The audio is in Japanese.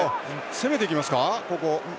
攻めていきますか。